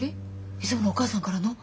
いつものお母さんからの。